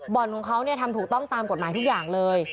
ของเขาทำถูกต้องตามกฎหมายทุกอย่างเลย